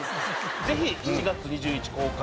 「ぜひ７月２１日公開の